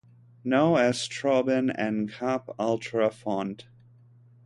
No es troben en cap altra font.